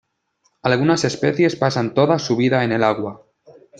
Algunas especies pasan toda su vida en el agua.